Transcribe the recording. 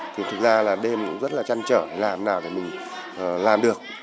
thì thực ra là đêm cũng rất là chăn trở làm nào để mình làm được